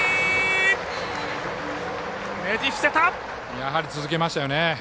やはり続けましたよね。